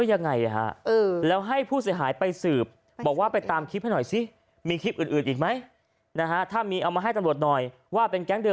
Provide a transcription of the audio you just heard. อย่างไรแล้วให้ผู้เสียหายไปสืบคือไปตามคลิปให้หน่อยซิ